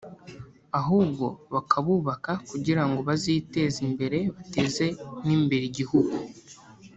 ahubwo bakabubaka kugirango baziteze imbere bateze n’imbere igihugu